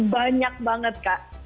banyak banget kak